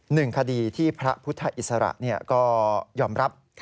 หนึ่งคดีที่พระพุทธอิสระก็ยอมรับ